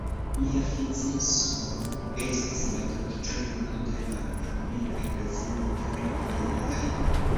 Miafiziismo estis la doktrino de la Armena Eklezio inter aliaj.